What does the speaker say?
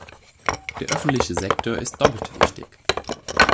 Der öffentliche Sektor ist doppelt wichtig.